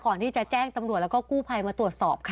ก่อนที่จะแจ้งตำรวจแล้วก็กู้ภัยมาตรวจสอบค่ะ